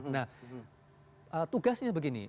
nah tugasnya begini